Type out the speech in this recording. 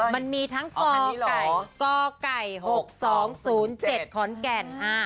มันมีทั้งกก๖๒๐๗ขอนแก่น